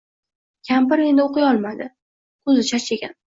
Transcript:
Kampir endi oʻqiy olmaydi. Koʻzi charchagan.